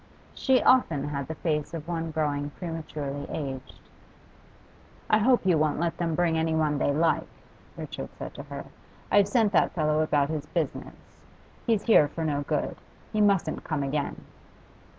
She often had the face of one growing prematurely aged. 'I hope you won't let them bring anyone they like,' Richard said to her. 'I've sent that fellow about his business; he's here for no good. He mustn't come again.